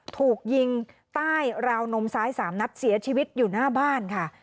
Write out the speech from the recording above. ถูกยิงใต้ราวนมซ้าย๓นัดเสียชีวิตอยู่หน้าบ้านค่ะ